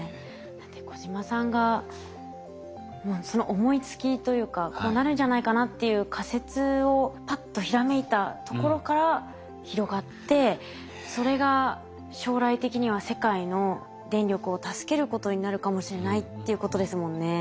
だって小島さんがその思いつきというかこうなるんじゃないかなっていう仮説をパッとひらめいたところから広がってそれが将来的には世界の電力を助けることになるかもしれないっていうことですもんね。